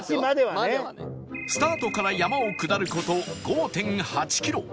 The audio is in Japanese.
スタートから山を下る事 ５．８ キロ